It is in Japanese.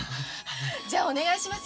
じゃお願いします。